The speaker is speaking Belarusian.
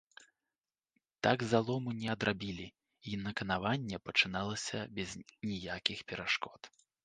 Так залому не адрабілі, й наканаванае пачыналася без ніякіх перашкод.